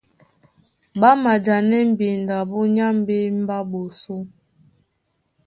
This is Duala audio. Ɓá majanɛ́ mbindo abú nyá mbémbé á ɓosó.